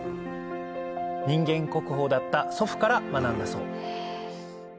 人間国宝だった祖父から学んだそう